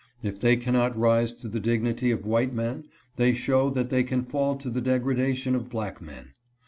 If they cannot rise to the dignity of white men, they show that they can fall to the degradation of black men.